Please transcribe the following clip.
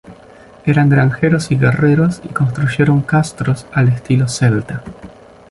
Eran granjeros y guerreros y construyeron castros al estilo celta.